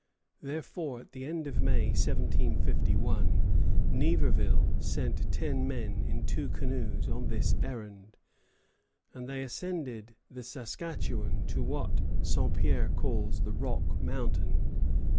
Therefore, at the end of May, 1751, Niverville sent ten men in two canoes on this errand, and they ascended the Saskatchawan to what Saint Pierre calls the "Rock Mountain."